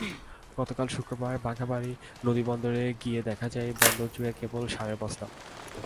গতকাল শুক্রবার বাঘাবাড়ী নদীবন্দরে গিয়ে দেখা যায়, বন্দরজুড়ে কেবল সারের বস্তা।